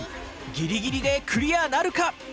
ギリギリでクリアなるか！